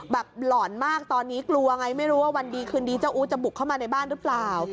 หล่อนมากตอนนี้กลัวไงไม่รู้ว่าวันดีคืนดีเจ้าอู๋จะบุกเข้ามาในบ้านหรือเปล่า